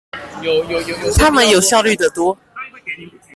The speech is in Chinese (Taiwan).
他們有效率的多